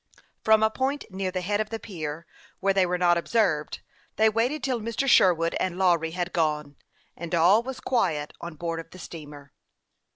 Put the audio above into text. From a point near the head of the pier, where they were not observed, they waited till Mr. Sherwood and Lawry had gone, and all was quiet on board of the steamer.